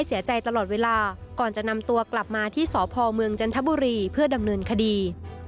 เสียใจตลอดเวลาก่อนจะนำตัวกลับมาที่สพเมืองจันทบุรีเพื่อดำเนินคดี